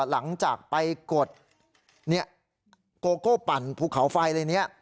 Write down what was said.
หลังจากไปกดเนี่ย